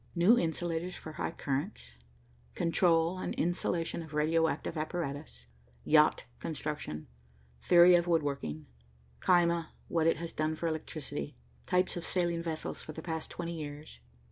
"New Insulators for High Currents," "Control and Insulation of Radio active Apparatus," "Yacht Construction," "Theory of Wood Working," "Caema, What It Has Done for Electricity," "Types of Sailing Vessels for the Past Twenty Years."